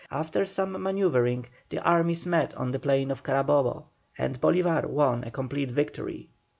After some manœuvring the armies met on the plain of Carabobo, and Bolívar won a complete victory.